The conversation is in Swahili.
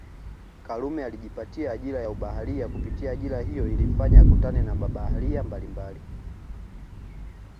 Karume alijipatia ajira ya ubaharia kupitia ajira hiyo ilimfanya akutane na mabaharia mbalimbali